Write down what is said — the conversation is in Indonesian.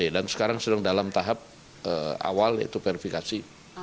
kementerian agama sedang dalam tahap awal yaitu verifikasi